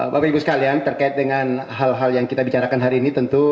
bapak ibu sekalian terkait dengan hal hal yang kita bicarakan hari ini tentu